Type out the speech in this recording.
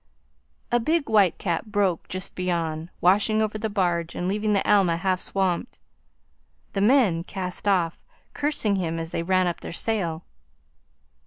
A big whitecap broke just beyond, washing over the barge and leaving the Alma half swamped. The men cast off, cursing him as they ran up their sail.